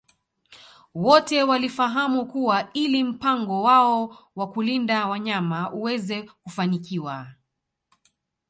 Wote walifahamu kuwa ili mpango wao wa kulinda wanyama uweze kufanikiwa